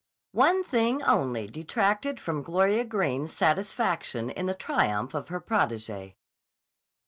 One thing only detracted from Gloria Greene's satisfaction in the triumph of her protégée.